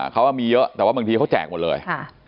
เขามีเยอะแต่ว่าบางทีเขาแจกหมดเลย